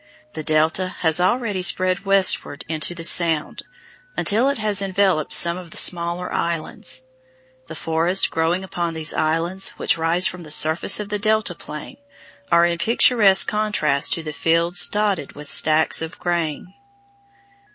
The delta has already spread westward into the sound, until it has enveloped some of the smaller islands. The forests growing upon these islands, which rise from the surface of the delta plain, are in picturesque contrast to the fields dotted with stacks of grain.